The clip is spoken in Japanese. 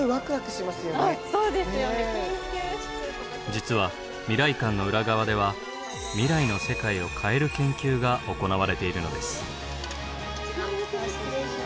実は未来館の裏側では未来の世界を変える研究が行われているのです。